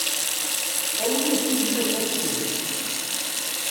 Awi-yas i yemma-s ad tsew.